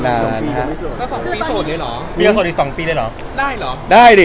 ถ้า๒ปีโสดเลยหรอ